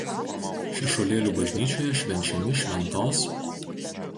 Šešuolėlių bažnyčioje švenčiami šv.